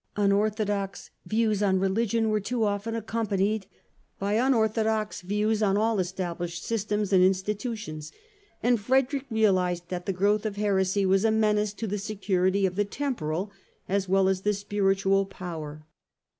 Unorthodox views on religion were too often accompanied by unorthodox views on all established systems and institutions, and Frederick realised that the growth of heresy was a menace to the security of the temporal as well as the spiritual power.